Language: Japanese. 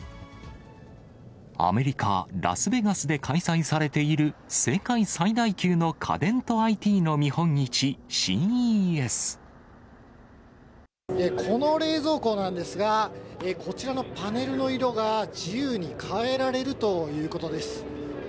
アメリカ・ラスベガスで開催されている世界最大級の家電とＩこの冷蔵庫なんですが、こちらのパネルの色が自由に変えられるということです。